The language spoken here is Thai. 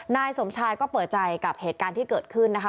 นายสมชายก็เปิดใจกับเหตุการณ์ที่เกิดขึ้นนะคะ